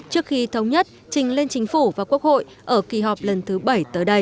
trước khi thống nhất trình lên chính phủ và quốc hội ở kỳ họp lần thứ bảy tới đây